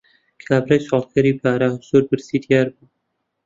کابرای سواڵکەری پارە، زۆر برسی دیار بوو.